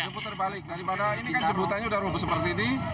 diputer balik daripada ini kan jembutannya udah robo seperti ini